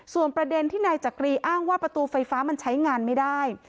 ส่วนประเด็นที่นายจักรีอ้างว่าประตูไฟฟ้ามันใช้งานไม่ได้